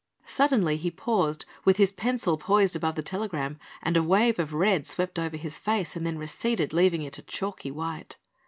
Suddenly he paused, with his pencil poised above the telegram, and a wave of red swept over his face and then receded, leaving it a chalky white.